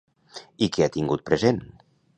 I què ha tingut present?